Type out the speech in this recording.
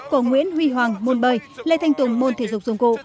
của nguyễn huy hoàng môn bơi lê thanh tùng môn thể dục dùng cụ